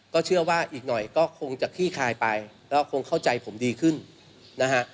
ก็เชื่อว่าอีกหน่อยก็คงจะขี้คายไปแล้วคงเข้าใจผมดีขึ้นนะฮะ